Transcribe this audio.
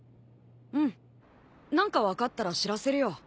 ん何か分かったら知らせるよ。